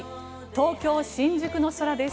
東京・新宿の空です。